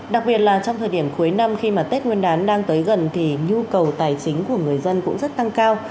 đặc biệt là trong thời điểm cuối năm khi mà tết nguyên đán đang tới gần thì nhu cầu tài chính của người dân cũng rất tăng cao